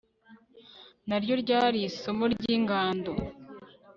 naryo ryari isomo ry'ingando